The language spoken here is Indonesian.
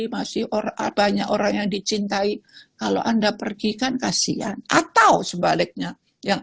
masih banyak orang yang dicintai kalau anda pergi kan kasihan atau sebaliknya yang